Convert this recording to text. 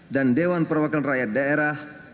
dan dewan perwakilan rakyat daerah